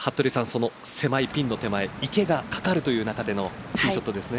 その狭いピンの手前池がかかるという中でのティーショットです。